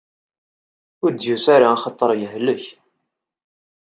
Ur d-yusi ara axaṭer yehlek.